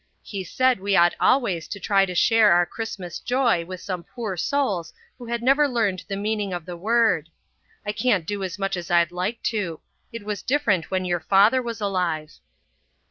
He said we ought always to try and share our Christmas joy with some poor souls who had never learned the meaning of the word. I can't do as much as I'd like to. It was different when your father was alive."